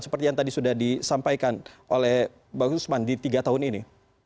seperti yang tadi sudah disampaikan oleh bang usman di tiga tahun ini